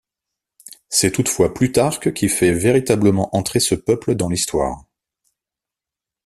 C'est toutefois Plutarque qui fait véritablement entrer ce peuple dans l'histoire.